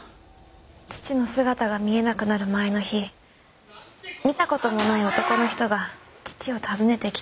父の姿が見えなくなる前の日見た事もない男の人が父を訪ねてきて。